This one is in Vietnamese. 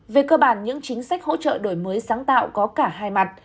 về cơ bản những chính sách hỗ trợ đổi mới sáng tạo có cả hai mặt